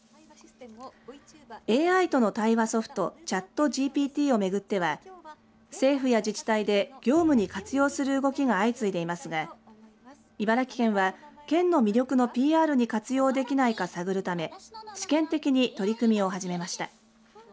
ＡＩとの対話ソフトＣｈａｔＧＰＴを巡っては政府や自治体で業務に活用する動きが相次いでいますが茨城県は県の魅力のＰＲに活用できないかを探るため試験的に取り組みを始めました。